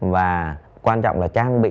và quan trọng là trang bị